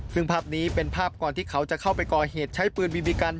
ซึ่งภาพนี้เป็นภาพก่อนที่เขาจะเข้าไปก่อเหตุใช้ปืนบีบีกัน